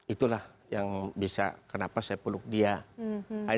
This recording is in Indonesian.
itulah yang bisa kenapa saya peluk dia